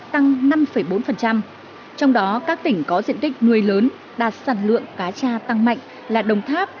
tăng năm bốn trong đó các tỉnh có diện tích nuôi lớn đạt sản lượng cá tra tăng mạnh là đồng tháp